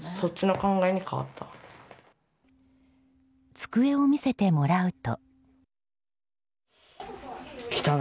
机を見せてもらうと。